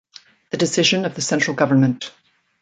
The decision of the Central government.